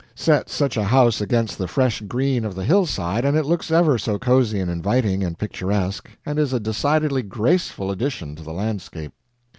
Set such a house against the fresh green of the hillside, and it looks ever so cozy and inviting and picturesque, and is a decidedly graceful addition to the landscape.